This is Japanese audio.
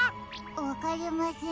わかりません。